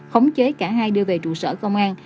khống chế cả hai đưa về trụ sở công an